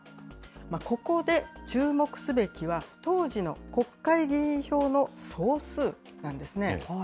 ここで注目すべきは、当時の国会議員票の総数なんですね。